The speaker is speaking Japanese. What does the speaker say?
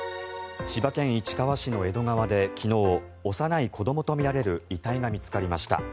千葉県市川市の江戸川で昨日幼い子どもとみられる遺体が見つかりました。